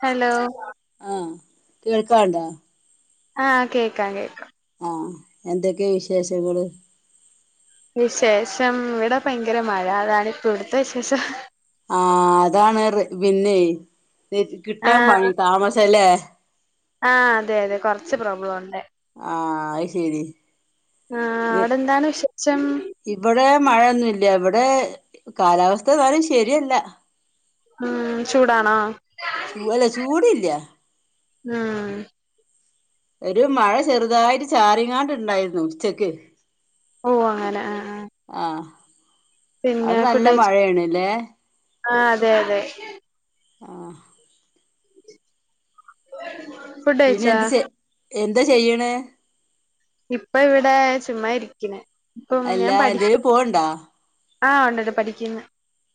Hello ആഹ് കേൾക്കാണ്ടാ ആഹ് കേക്കാം കേക്കാം ആഹ് എന്തൊക്ക്യ വിശേഷങ്ങള് വിശേഷം ഇവിടെ ഭയങ്കര മഴ അതാണ് ഇപ്പ ഇവിടുത്ത വിശേഷം ആ അതാണ് പിന്നെയ് കിട്ടാ പണി താമസല്ലേ ആ അതെ അതെ കൊറച്ച് പ്രോബ്ലം ഉണ്ട് ആ അ ശരി ആഹ് അവിടെ എന്താണ് വിശേഷം ഇവിടെ മഴയൊന്നുല്ല ഇവ വടെ കാലാവസ്ഥ എന്നാലും ശരിയല്ല ഉം ചൂടാണോ? ചൂ അല്ല ചൂടില്ല ഉം ഒരു മഴ ചെറുതായിട്ട് ചാറിങ്ങാണ്ട് ണ്ടായിരുന്നു ഉച്ചക്ക് ഓ അങ്ങനെ ആഹ് ആഹ് ആഹ് അവിടെ നല്ല മഴേണ്ല്ലേ ആ അതെ അതെ ആഹ് പിന്നെ ഫുഡയിച്ചോ? എന്ത് ചെ എന്താ ചെയ്യ്ണേ? ഇപ്പൊ ഇവിടെ ചുമ്മാ ഇരിക്കിണ്. അല്ലാ എന്തേനും പോവ്ണ്ടോ? ആഹ് ഒണ്ട് ഒണ്ട് പഠിക്ക്ന്ന്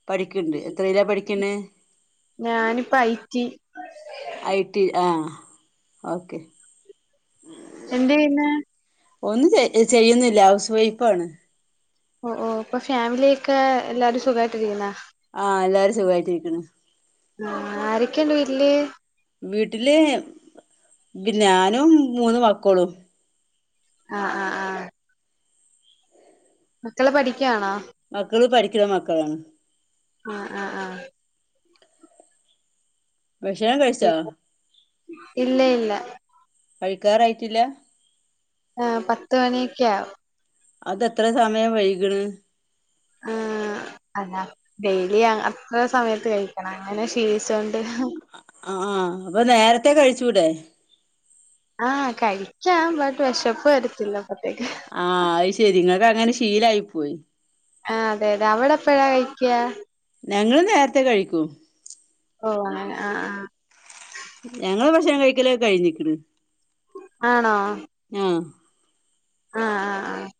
പഠിക്ക്ണ്ട് എത്രയിലാ പഠിക് ക്ക്ണേ ഞാനിപ്പ ഐ റ്റി ഐ ടി ആഹ് ഓക്കെ എന്ത് ചെയ്യ്ന്നേ ഒന്നും ചെയ്യു ചെയ്യുന്നില്ല ഹൗസ് വൈഫാണ് ഓ ഓ ഇപ്പൊ ഫാമിലിയൊക്കെ എല്ലാരും സുഖയിട്ടിരിക്കുന്നോ ആഹ് എല്ലാരും സുഖമായിട്ടിരിക്കണ് ആ ആരൊക്കെയുണ്ട് വീട്ട്ല് വീട്ടില് ഞാനും മൂന്ന് മക്കളും ആഹ് ആഹ് ആഹ് മക്കള് പഠിക്കയാണോ മക്കള് പഠിക്കുന്ന മക്കളാണ് അ ഹ് ആ ഹ് ആഹ് ഭക്ഷണം കഴിച്ചോ ഇല്ല ഇല്ല കഴിക്കാറായിട്ടില്ലാ ആ പത്ത് മണിയൊക്ക ആവും അത് എത്ര സമയം വൈക്ണ് ആ അല്ല ഡെയിലി അത്ര സമയത്ത് കഴിക്കണം അങ്ങനെ ശീലിച്ചൊണ്ട് ആ അപ്പാ നേരത്തെേ കഴിച്ചൂടെ ആഹ് കഴിക്കാം ബട്ട് വിശപ്പ് വരത്തില്ല അപ്പത്തേക്ക് ആഹ് അയ്ശെരി ങ്ങക്കങ്ങനെ ശീലായ് പോയ് ആഹ് അതെ അതെ അവടെ എപ്പഴാ കഴിക്ക്യാ? ഞങ്ങള് നേര്ത്തെ കഴിക്കും ഓഹ് അങ്ങനെ ആഹ് ആഹ് ഞങ്ങള് ഭക്ഷണം കഴിക്കലൊക്കെ കഴിഞ്ഞിക്ക്ണ് ആണോ ആഹ് ആഹ് ആഹ് ആഹ്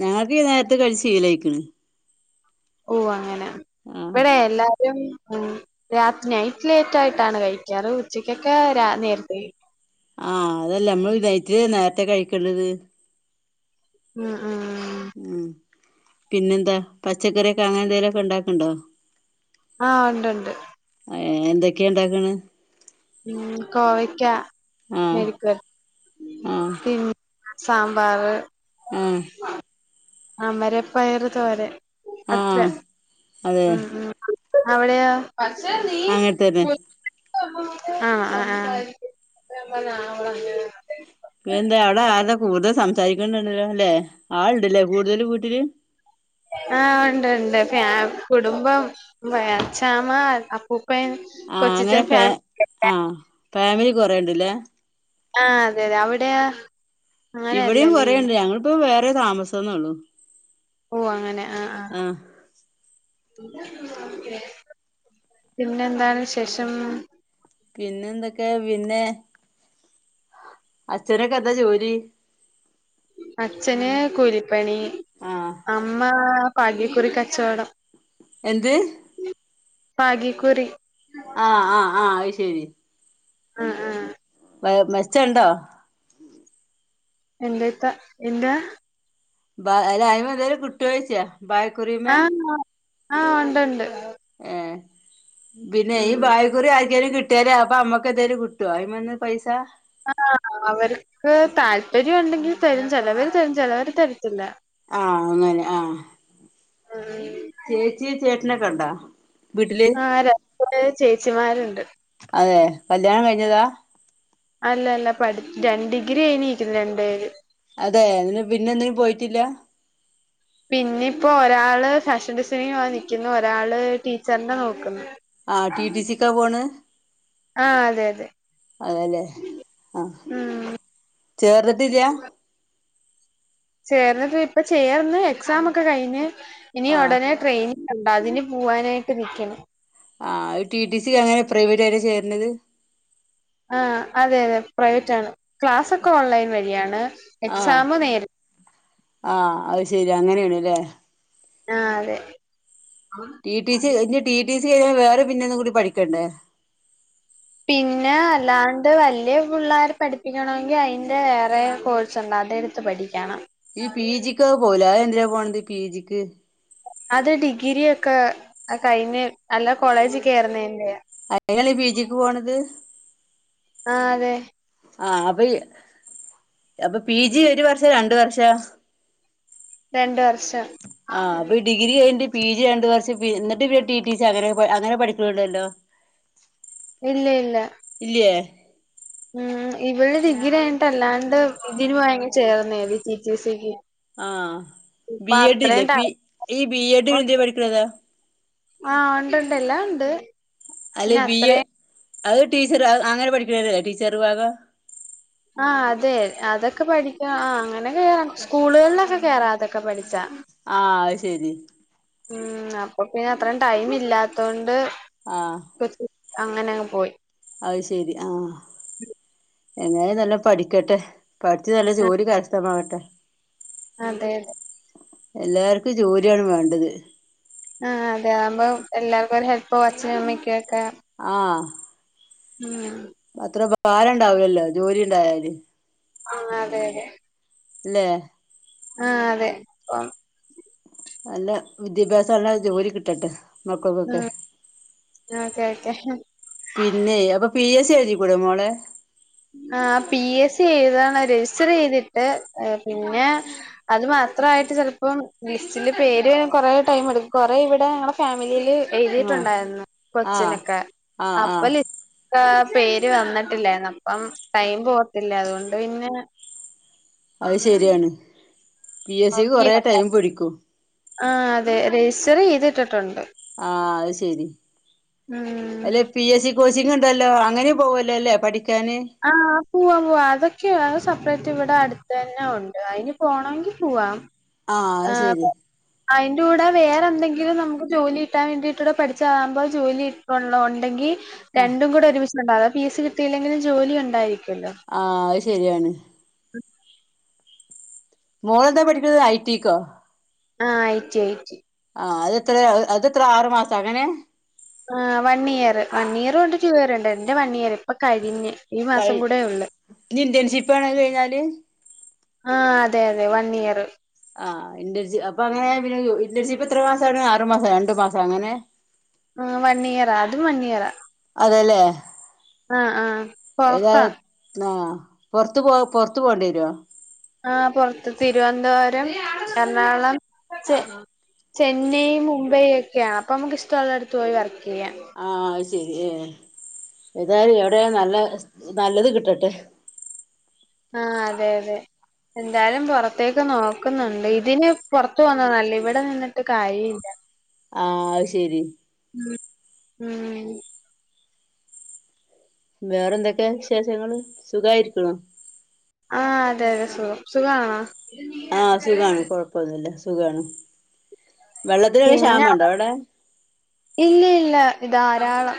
ഞങ്ങക്ക് ഈ നേര്ത്ത് കഴിച്ച് ശീലായ്ക്ക്ണ് ഓഹ് അങ്ങനെ ഇവ്ടെ എല്ലാ രാത്രി നൈറ്റ് ലേറ്റായ്ട്ടാണ് കഴിക്കാ അത് ഉച്ചക്കെത്തെ രാ നേര്ത്തെഴിക്കും ആഹ് അതല്ല അമ്മള് നൈട്ട്ല് നേര്ത്തെ കയ്ക്കണ്ടത് ആഹ് ആഹ് ഉം പിന്നെന്താ പച്ചക്കറിയൊക്കെ അങ്ങനെ എന്തേലാെക്കെണ്ടാക്ക്ണ്ടോ? ആഹ് ഉണ്ട് ഉണ്ട് ഏ എന്തൊക്കെയാ ഉണ്ടാക്കണ് ഉ ആഹ് കോവക്കിക്ക പി സാമ്പാർ ആഹ ആ മരപ്പയറ് തോരൻ അത്ര ആഹ് അതെ അവിടെയാ അസ നീ അങ്ങനെ തന്നെ ആഹ ആ ആഹ സഹക്കണ്ടണ്ടല്ലോ അല്ലെ ആളുണ്ടല്ലേ കൂടുതല് വീട്ടില് ആ് ഉണ്ട്ണ്ട് കുടുംബം അച്ചാമ്മ അപ്പൂ ആഹ അങ്ങനെ പേ ആഹ ഫാമിലി കൊറേണ്ട്ല്ലേ ആഹ അതെതെ അവിടെയാ ഇവിടെയും അങ്ങനെയല്ലല്ലേ കുറേുണ്ട് ഞങ്ങളിപ്പോ വേറെ താമസംന്നേള്ളു ഓ അങ്ങനെ ആഹ ആഹ പിന്നെ എന്താണ് ശേഷം പിന്നെ എന്തൊക്കെ പിന്നെ അഛനൊക്കെ എന്താ ജോലി അച്ഛനേ കോലിട്ട പണി ആഹ് അമ്മ ഭാഗ്യക്കുറി കച്ചവടം എന്ന്ത് ഭാഗ്യ കുറി ആഹ ആഹ് ആഹ് അത് ശരി ആഹ ആഹ [unintelligible] മെച്ച ഉണ്ടോ എന്ത ഇത്ത എന്താ ബ അല്ല അയ്മ എന്തോലും കിട്ടോയ്ച്ചയ ബായ് കുറിമെ ആഹ് ഉണ്ട് ഉണ്ട് എഹ് പിന്നെ ഉം ബായ്ഗുറി ആയി [unintelligible] കിട്ടിയാലേ അപ്പൊ ഞമ്മക്ക് എന്തേലും കിട്ടോ അയിൻമെന്ന് പൈസ ആഹ് അവര്ക്ക് താല്പര്യം ഉണ്ടെങ്കിൽ തരും ചെലവര് തരും ചെലവര് തരത്തില്ലാ ആഹ് അങ്ങനെ ആഹ് ചേച്ച്യേ ചേട്ട്ന ക്കെണ്ടാ ബ്ട്ട്ല് കുറേ ചേച്ചിമാര്ണ്ട് അതെ. കല്യാണം കഴിഞ്ഞതാ? അല്ലല്ല പഠി രണ്ട് ഡിഗ്രി കഴിഞ്ഞിക്കുന്നു രണ്ട് പേര്. അതെ. നില് പിന്നെ എന്തിനും പോയിട്ടില്ല. പിന്നെ ഇപ്പോ ഒരാള് ഫാഷൻ ഡിസൈനിങ് പോവാൻ നിക്കുന്നു, ഒരാള് ടീച്ചറിന്റെ നോക്കുന്ന്. ആഹ് ടി ടി സി ക്കാ പോണ്? ആ അതെ അതെ അതെല്ലേ. ആഹ് ഉം ചേർന്നിട്ടില്ല്യാ? ചേർന്നത് ഇപ്പൊ ചേർന്ന് എക്സാം ഒക്കെ കഴിഞ്ഞ്. ഇനി ആഹ് ഉടനെ ട്രെയിനി ങ്ണ്ട് അതിന് പൂവാനായിട്ട് നിക്ക്യാണ്. ആഹ് അത് ടി ടി സിക്ക് എങ്ങനെ പ്രൈവറ്റ് ആയിട്ടാ ചേര്നത്. ആഹ് അതെ അതെ പ്രൈവറ്റ് ആണ്. ക്ലാസ്സൊക്കെ ഓൺലൈൻ വഴിയാണ്. ആഹ് എക്സാം നേരി ആഹ് അത് ശരിയാ അങ്ങനെണ് ലേ. ആഹ് അതെ. ടി ടി സി ഇഞ് ടി ടി സി ചെയ്യാൻ വേറെ പിന്നൊന്നും കൂടി പഠിക്കണ്ടേ? പിന്നെ അല്ലാണ്ട് വലിയ പിള്ളേരെ പഠിപ്പിക്കണമെങ്കി അയിന്റെ വേറെയും കോഴ്സുണ്ട് അത് എടുത്ത് പഠിക്കണം. ഈ പീ ജിക്ക് ഒക്കെ പോവൂലേ അത് എ ന്തിനാ പോണത് ഈ പീ ജിക്ക്? അത് ഡിഗ്രി ഒക്കെ കഴിഞ്ഞ് അല്ല കോളേജിൽ കേറുന്നേന്റെയാ. അയിനാണീ പി ജിക്ക് പോണത് ആഹ് അതെ ആഹ് അപ്പയ് അപ്പൊ പി ജി ഒരു വർഷോ രണ്ട് വർ ഷവോ രണ്ട് വർഷം ആഹ് അപ്പോ ഡിഗ്രി കയിഞ്ഞിട്ട് പി ജി രണ്ട് വർഷം എന്നിട്ട് പിന്നെ ടി ടി സി അങ്ങനെ അങ്ങനെ പഠിക്കുന്നുണ്ടല്ലോ ഇല്ല ഇല്ല ഉം ഇവള് ഡിഗ്രി കഴിഞ്ഞിട്ട് അല്ലാണ്ട് ഇതിന്‌ പോയി അങ്ങ് ചേർന്നേ ടി ടി സിക്ക് ആഹ് ഇപ്പൊ ബി എഡ് ഇല്ലേ അത്രയും ടൈ ബി ഈ ബി എഡ് ഹിന്ദി പഠിക്കണതാ ആഹ് ഉണ്ട് ഉണ്ട് എല്ലാം ഉണ്ട് അല്ലെ പിന്നെ ബി എ അത്രയും അത് ടീച്ചർ അങ്ങനെ പഠിക്കണല്ലേ ടീച്ചർ വിഭാഗം ആഹ അതെ അതൊക്കെ പഠിച്ചാ ആ അങ്ങനെ കേറാം സ്കൂളുകളിലൊക്കെ കേറാ അതൊക്കെ പഠിച്ചാ ആഹ ശരി ഉം അപ്പൊ പിന്നെ അത്രയും ടൈം ഇല്ലാത്ത കൊണ്ട് ആഹ അങ്ങനെ അങ്ങ് പോയി ആയി ശരി ആഹ എങ്ങാനും നല്ല പഠിക്കട്ടെ പഠിച്ച് നല്ല ആഹ് ജോലി കാര്സ്ഥമാക്ക് ത്ത അതെ അതെ എല്ലാർക്കും ജോലിയാണ് വേണ്ടത് ആഹ അതെ ആകുമ്പോ എല്ലാർക്കും ഒരു ഹെല്പ് അച്ഛാനു അമ്മക്കൊക്കെ ആ ഉം കാലണ്ടാവല്ലോ ജോലി ഉണ്ടായാല് ആഹ അതെതെ ഇല്ലേ ആഹ അതെ ഇപ്പം നല്ല വിദ്യാഭ്യാസള്ള ജോലി കിട്ടട്ടെ നോക്കകെക്കെ ഉം ഓക്കെ ഓക്കെ പിന്നെ അപ്പൊ പി എസ് സി എഴുതിക്കൂട മോളെ ആ പി എസ് സി എഴുതാണ് രജിസ്റ്റർ ചെയ്തിട്ട് പിന്നെ അത് മാത്രമായിട്ട് ചിലപ്പം ലിസ്റ്റില് പേരു കൊറെ ടൈം എടുക്കും കൊറെ ഇവിടെ ഞങ്ങള ഫാമിലിയില് ആഹ് എഴുതിയിട്ടുണ്ടായിരുന്നു ആഹ് കൊച്ചിനൊക്കെ ആഹ് ആഹ് അപ്പലിസ്റ്റ് പേര് വന്നിട്ടില്ലായിന്ന് അപ്പം ടൈം പോവത്തില്ലേ അതുകൊണ്ട് പിന്നെ അത് ശരിയാണ് പി എസ് സി ക്ക് കൊറേ ടൈം പിടിക്കും ആ അതെ രജിസ്റ്റർ ചെയ്തിട്ടിട്ടുണ്ട് ആഹ അത് ശരി ഉം കോച്ചിങ്ങ് ഉണ്ടല്ലോ അങ്ങനെ പോവല്ലോ അല്ലേ പഠി- ക്കാനെ പൂവാം പൂവാ അതൊക്കെയ അത് സപ്രേറ്റ് ഇവിടെ അടുത്ത് തന്നെ ഒണ്ട് അതിന് പോണോങ്കി പോവാം അത് ആഹ് പ ശരി അയ്ന്റെ കൂടെ വേറെന്തെങ്കിലും നമുക്ക് ജോലി കിട്ടാൻ വേണ്ടിട്ടുടെ പഠിച്ചതാകുമ്പോ ജോലി ഒള്ള ഒണ്ടെങ്കി ആഹ് രണ്ടും കൂടെ ഒരുമിച് ന്ന് ഉണ്ടാക്കും അത് പി എസ് സി കിട്ടിയില്ലെങ്കിൽ ജോലി ഒണ്ടായി ആഹ് അത് ശരിയാണ് മോളെന്താ പഠിക്കുന്നത് ഐ റ്റി ക്കോ ആഹ് ഐറ്റി ഐറ്റി ആ അത് എത്രയാ അതെത്ര ആറ് മാസ അങ്ങനെ ആഹ് വൺ ഇയർ വൺ ഇയറും ഉണ്ട് ടു ഇയറും ഉണ്ട് എന്റെ വൺ ഇയറ് ഇപ്പം കയിഞ്ഞ് കഴി ഇനി ഇന്റേൺഷിപ്പാണ് അത് കഴിഞ്ഞാല് ആഹ് അതെ അതെ വൺ ഇയറ് ആ ഇന്റൺഷി അപ്പൊ അങ്ങനെ പിന്ന രു ഇന്റൺഷിപ്പ് എത്ര മാസാണ് ആറു മാസാ രണ്ടു മാസാ അങ്ങനെ ആ വൺ ഇയറാ അതെലെ ആ ആ പൊറത്താ പൊറത്തു പോ പൊറത്തു പോകേണ്ടി വരു ആ പൊറത്ത് തിരുവന്തോരം എർണാകുളം ചെ ചെന്നൈയും മുംബൈയും ഒക്കെയാണ് അപ്പൊ നമുക്ക് ഇഷ്ടോള്ളട്ത്ത് പോയി വർക് ആ അയ് ശരി ശരി ഏ ഏതായാലും എവിടെ നല്ല സ് നല്ലത് കിട്ടട്ടെ ആ അതെ അതെ എന്തായാലും പൊറത്തേക്ക് നോക്കുന്നുണ്ട് ഇതിന് പൊറത്ത് പോകുന്ന നല്ലേ ഇവിടെ നിന്നിട്ട് കാര്യ ഇല്ല ആ അയ് ശരി ഉം വേറെ എന്തൊക്കെ വിശേഷങ്ങള് സുഖായിരിക്ക്ണോ ആ അതെ അതെ സുഖം സുഖാണേ ആ സുഖാണ് കൊഴപ്പോന്നുല്ല സുഖാണ് വെള്ളത്തിനൊക്കെ പിന്നെ ക്ഷാമണ്ടോ അവിടെ ഇല്ല ഇല്ല ധാരാളം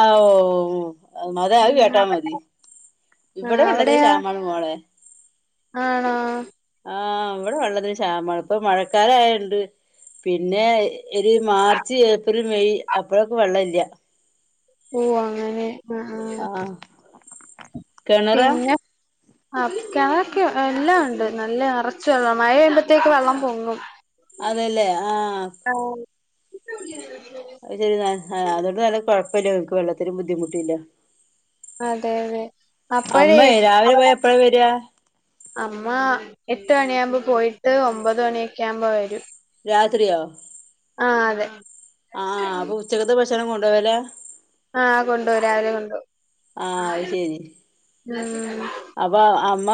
അ ഓഹ് മ്മത് ഉം കേട്ടാ അവിടെ മതി ഇവിടെ ആഹ് വെള്ളത്തിന്‌ അവിടെയാ ശാമാണ് മോളെ ആണോ ആഹ് അവിടെ വെള്ളത്തിന് ക്ഷാമാണ് ഇപ്പൊ മഴക്കാലയോണ്ട് പിന്നെ ഒരു മാർച്ച്, ഏപ്രിൽ, മെയ് അപ്പഴൊക്ക് വെള്ളവില്യ ഓഹ് അങ്ങനെ ആ ആഹ് കെണറാ ആ കെണറൊക്കെ എല്ലാം ഒണ്ട് നല്ല നെറച്ച് വെള്ള മഴയെയുമ്പത്തേക്ക് വെള്ളം പൊങ്ങും അതെലേ ആഹ് ആഹ് [unintelligible] ങ്ങക്ക് വെള്ളത്തിന് ബുദ്ധിമുട്ടില്ല അതെ അതെ അപ്പഴേ അമ്മേ രാവിലെ പോയ എപ്പഴാ വരിക അമ്മ എട്ട് മണിയാകുമ്പോ പോയിട്ട് ഒമ്പത് മണിയൊക്കെ ആവുമ്പോ വരും രാത്രിയോ ആ അതെ ആഹ് അപ്പൊ ഉച്ചകത്തെ ഭ ക്ഷണം കൊണ്ടോവലാ ആഹ് കൊണ്ടോവും രാവിലെ കൊണ്ടോവും ആ അത് ശരി ഉം അപ്പൊ അമ്മ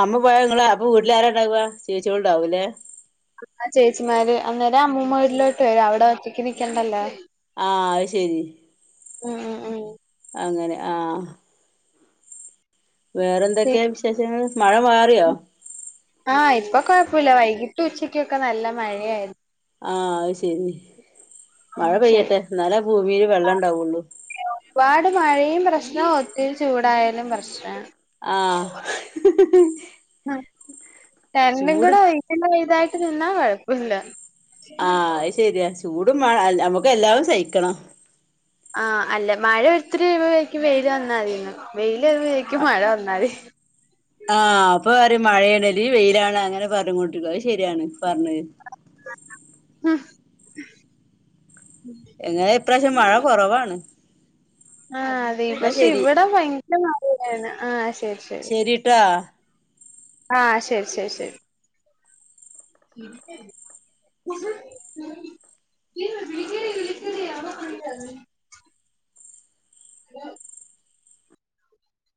അമ്മ പോയ ങ്ങള് അപ്പ വീട്ടിലാരാണ്ടാവാ ചേച്ചികള് ണ്ടാവൂലേ അ ചേച്ചിമാര് അന്നേരം അമ്മൂമ്മ വീട്ടിലോട്ട് വരും അവിടെ ഒറ്റയ്ക്ക് നിക്കണ്ടല്ലോ ആഹ് അത് ശരി ഉം ഉം ഉം അങ്ങനെ ആ പി വേറെന്തൊക്കെയാ വിശേഷങ്ങൾ മഴ മാറിയോ ആ ഇപ്പൊ കൊഴപ്പല്ല വൈകിട്ട് ഉച്ചക്കൊക്കെ നല്ല മഴയായിരുന്നു ആഹ് അത് ശരി മഴ ഉം ശരി പെയ്യട്ടെ ന്നാലെ ഭൂമിൽ വെള്ളം ആ ഇണ്ടാവുള്ളു ഞാ ഒത്തിരി ചൂടായാലും പ്രശ്നാ ആഹ് ആ കരണ്ടും ചൂട് കൂടെ ഒഴുക്കിൻ്റെ മീതായി നിന്നാ കുഴപ്പല്ല ആ അത് ശരിയാ ചൂടും വേണം നമുക്ക് എല്ലാതും സഹിക്കണം ആ അല്ല മഴ ഒത്തിരി പെയ്യുമ്പഴേക്കും വെയില് വന്നാ മതിന്ന് വെയി എ വേക്കും മഴ വന്നാ മതി ആ അപ്പൊ പറയും മഴയാണല് വെയിലാണ് അങ്ങനെ പറഞ്ഞു കൊണ്ടിരിക്കും അത് ശരിയാണ് പറഞ്ഞത്. ആ എങ്ങനെ ഇപ്രാവശ്യം മഴ കുറവാണ് ആ അതെ എന്നാ പക്ഷെ ശരി ഇവിടെ ഭയ [unintelligible] ഒന്നും അറീലന്ന ആശ ശരിട്ടാ ആഹ് ശരി ശരി ശരി ശരി ഹലോ